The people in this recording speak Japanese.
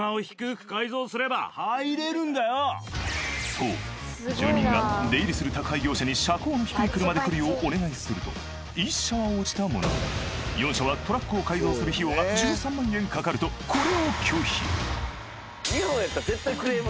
そう住民が出入りする宅配業者に車高の低い車で来るようお願いすると１社は応じたものの４社はトラックを改造する費用が１３万円かかるとこれを拒否日本やったら。